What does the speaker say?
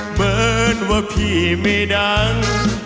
เหมือนว่าพี่ไม่ดัง